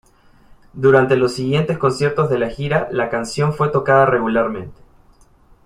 Durante los siguientes conciertos de la gira la canción fue tocada regularmente.